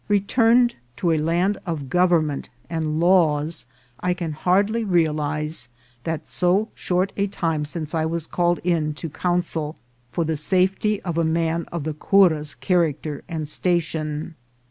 Re turned to a land of government and laws, I can hard ly realize that so short a time since I was called in to counsel for the safety of a man of the cura's char acter and station.